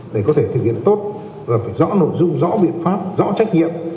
để có thể thực hiện tốt và phải rõ nội dung rõ biện pháp rõ trách nhiệm